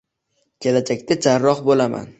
Kelajakda jarroh bo‘laman